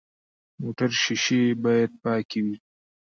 موټر شیشې باید پاکې وي.